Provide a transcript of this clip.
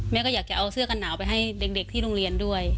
แม่ก็อยากจะเอาเสื้อกันหนาวไปให้เด็กที่โรงเรียนด้วย